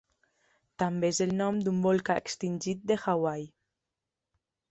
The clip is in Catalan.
També és el nom d'un volcà extingit de Hawaii.